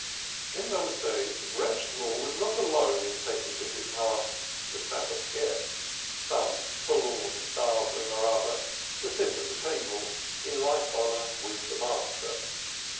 In those days Reb Shemuel was not alone in taking to his hearth "the Sabbath guest" some forlorn starveling or other to sit at the table in like honor with the master.